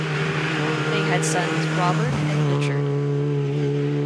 They had sons Robert and Richard.